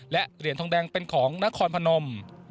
และเหรียญทองแดงเป็นของนครพนม